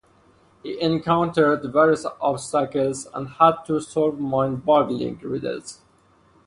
He encountered various obstacles and had to solve mind-boggling riddles.